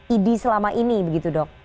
idi selama ini